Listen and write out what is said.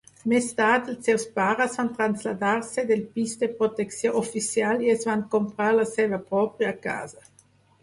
Més tard, els seus pares van traslladar-se del pis de protecció oficial i es van comprar la seva pròpia casa.